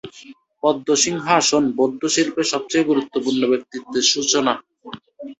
পদ্ম সিংহাসন বৌদ্ধ শিল্পের সবচেয়ে গুরুত্বপূর্ণ ব্যক্তিত্বের সূচনা।